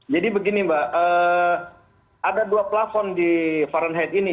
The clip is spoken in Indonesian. jadi begini mbak ada dua platform di fahrenheit ini